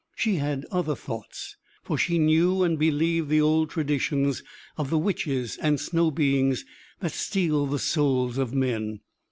She had other thoughts, for she knew and believed the old traditions of the witches and snow beings that steal the souls of men.